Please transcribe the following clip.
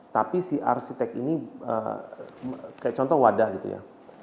tapi si arsitek ini kayak contoh wadah gitu ya